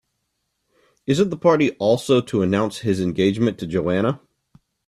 Isn't the party also to announce his engagement to Joanna?